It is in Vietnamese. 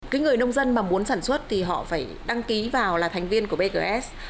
cái người nông dân mà muốn sản xuất thì họ phải đăng ký vào là thành viên của bks